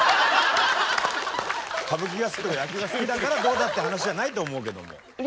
歌舞伎が好きとか野球が好きだからどうだって話じゃないと思うけども。